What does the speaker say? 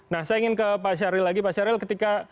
nah saya ingin ke pak syahril lagi pak syaril ketika